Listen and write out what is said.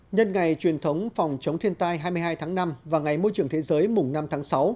nhân ngày truyền thống phòng chống thiên tai hai mươi hai tháng năm và ngày môi trường thế giới mùng năm tháng sáu